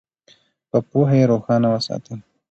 په پوهه یې روښانه وساتئ.